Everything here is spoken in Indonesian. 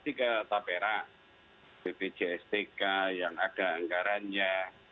jadi kita harus mengasihkan komunikasi ke tapera bpjstk yang ada anggarannya